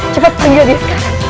cepat pergi aja sekarang